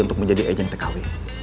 untuk menjadi agent tkw